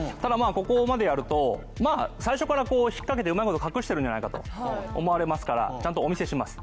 ここまでやると最初から引っ掛けてうまいこと隠してるんじゃないかと思われますからちゃんとお見せします